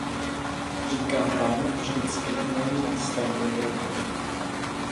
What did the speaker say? Říkám vám vždycky, není nad starou Evropu.